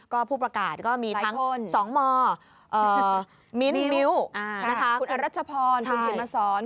ก็ผู้ประกาศก็มีทั้ง๒มอร์มิ้วนะคะคุณอรัชพรคุณเขมสร